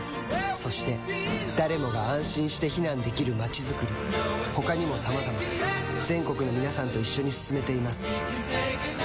そして誰もが安心して避難できる街づくり他にもさまざま全国の皆さんと一緒に進めています